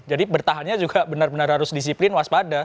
jadi bertahannya juga benar benar harus disiplin waspada